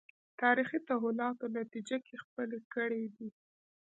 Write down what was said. تاریخي تحولاتو نتیجه کې خپلې کړې دي